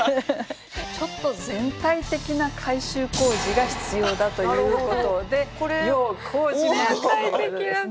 ちょっと全体的な改修工事が必要だということで要工事マークということですね。